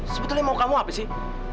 sebetulnya mau kamu apa sih